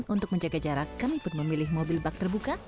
untuk menjaga jarak kami pun memilih mobil bak terbuka